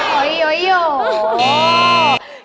๓๐บาท